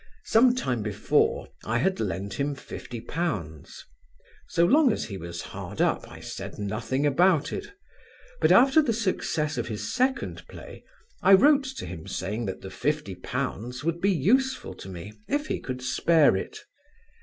Some time before I had lent him £50; so long as he was hard up I said nothing about it; but after the success of his second play, I wrote to him saying that the £50 would be useful to me if he could spare it.